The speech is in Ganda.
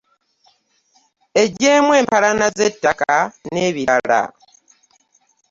Eggyemu empalana z'ettaka n'ebirala.